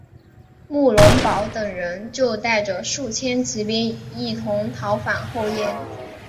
慕容宝等人就带着数千骑兵一同逃返后燕。